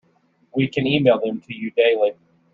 We can email them to you daily.